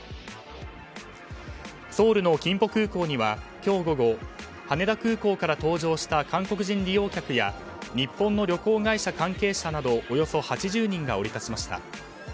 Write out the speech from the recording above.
ソウルのキンポ空港には今日午後、羽田空港から搭乗した韓国人利用客や日本人の旅行者、関係者などおよそ８０人が降り立ちました。